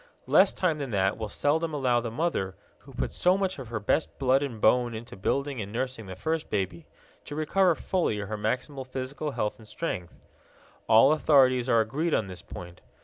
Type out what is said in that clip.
Less time than that will seldom allow the mother, who put so much of her best blood and bone into building and nursing the first baby, to recover fully her maximal physical health and strength. All authorities are agreed on this point.